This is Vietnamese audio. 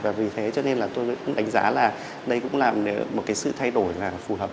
vì thế tôi đánh giá là đây cũng là một sự thay đổi phù hợp